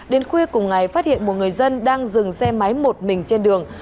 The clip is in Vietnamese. đến khuya cùng ngày phát hiện một người dân đang dừng xe máy một mình trên đường